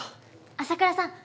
麻倉さん